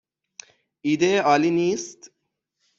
ایده عالی نیست؟